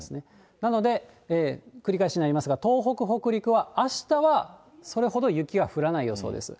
なので繰り返しになりますが、東北、北陸はあしたはそれほど雪は降らない予想です。